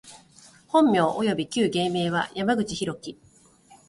本名および旧芸名は、山口大樹（やまぐちひろき）